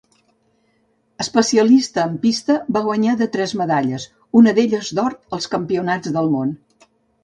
Especialista en pista, va guanyar de tres medalles, una d'elles d'or als Campionats del Món.